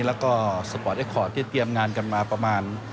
แล้วก็สปอร์ตเอ็กคอร์ดที่เตรียมงานกันมาประมาณ